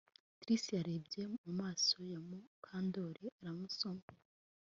Trix yarebye mu maso ya Mukandoli aramusoma